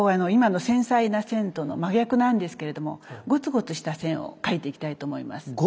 今の繊細な線との真逆なんですけれどもごつごつした線を描いていきたいと思います。